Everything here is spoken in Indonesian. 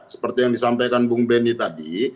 seperti yang disampaikan bung benny tadi